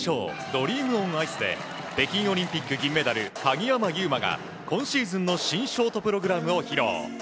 ドリーム・オン・アイスで北京オリンピック銀メダル鍵山優真が今シーズンの新ショートプログラムを披露。